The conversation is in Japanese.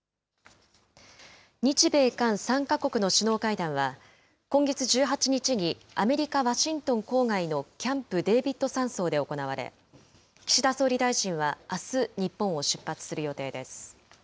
日米韓３か国の首脳会談は、今月１８日に、アメリカ・ワシントン郊外のキャンプ・デービッド山荘で行われ、岸田総理大臣はあす、日本を出発する予定です。